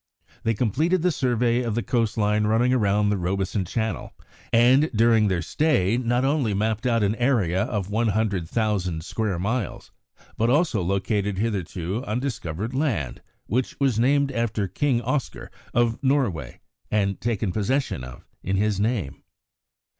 They completed the survey of the coast line running round Robeson Channel, and, during their stay, not only mapped out an area of one hundred thousand square miles, but also located hitherto undiscovered land, which was named after King Oscar of Norway and taken possession of in his name.